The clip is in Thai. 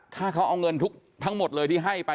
ถ้าเขาเอาเงินทั้งหมดเลยที่ให้ไป